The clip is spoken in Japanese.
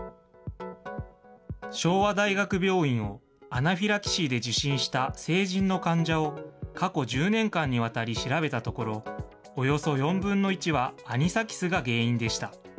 昭和大学病院をアナフィラキシーで受診した成人の患者を過去１０年間にわたり調べたところ、およそ４分の１はアニサキスが原因でした。